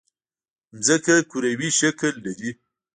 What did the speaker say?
ځمکه کوروي شکل لري